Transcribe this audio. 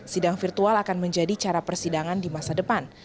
sidang virtual akan menjadi cara persidangan di masa depan